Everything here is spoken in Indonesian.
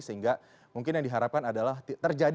sehingga mungkin yang diharapkan adalah terjadi